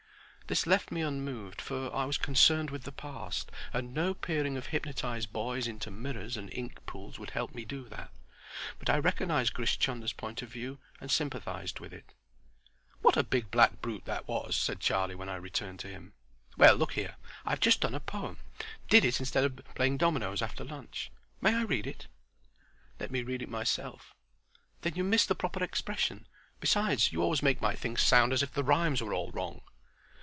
This left me unmoved, for I was concerned for the past, and no peering of hypnotized boys into mirrors and ink pools would help me do that. But I recognized Grish Chunder's point of view and sympathized with it. "What a big black brute that was!" said Charlie, when I returned to him. "Well, look here, I've just done a poem; dil it instead of playing dominoes after lunch. May I read it?" "Let me read it to myself." "Then you miss the proper expression. Besides, you always make my things sound as if the rhymes were all wrong."